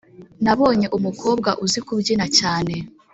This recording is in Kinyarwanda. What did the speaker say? Nabonye umukobwa uzi kubyina cyane